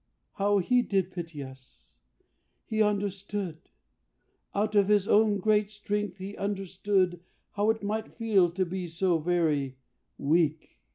How he did pity us! He understood... Out of his own great strength he understood How it might feel to be so very weak...